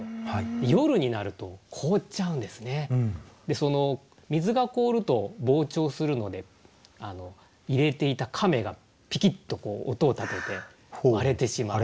その水が凍ると膨張するので入れていた甕がピキッと音を立てて割れてしまう。